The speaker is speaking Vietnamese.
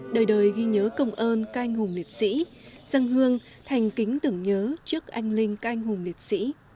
đời đời ghi nhớ công ơn canh hùng liệt sĩ sân hương thành kính tưởng nhớ trước anh linh canh hùng liệt sĩ